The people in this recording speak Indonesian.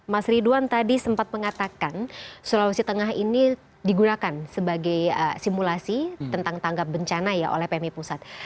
mas ridwan tadi sempat mengatakan sulawesi tengah ini digunakan sebagai simulasi tentang tanggap bencana ya oleh pmi pusat